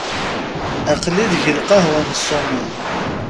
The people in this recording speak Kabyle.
Aql-i deg lqahwa n Ṣumam.